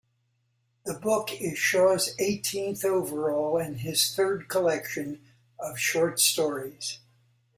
The book is Shaw's eighteenth overall and his third collection of short stories.